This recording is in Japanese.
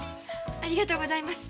ありがとうございます。